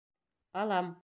Алам.